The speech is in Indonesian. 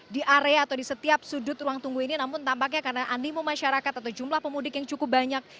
di area atau di setiap sudut ruang tunggu ini namun tampaknya karena animo masyarakat atau jumlah pemudik yang cukup banyak